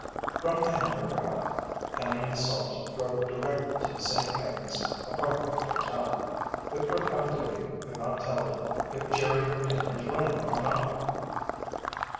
From the hamburger hut, Penny and Salt drove directly to the St. Agnes Apartment Hotel. The clerk on duty could not tell them if Jerry were in his room or not.